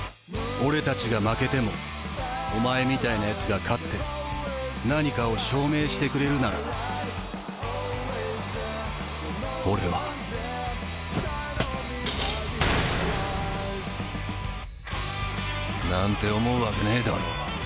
俺たちが負けてもお前みたいなやつが勝って何かを証明してくれるなら俺は。なんて思うわけねえだろ